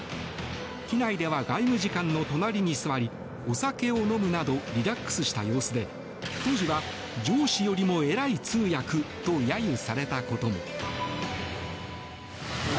機内では外務次官の隣に座りお酒を飲むなどリラックスした様子で当時は上司よりも偉い通訳と揶揄されたことも。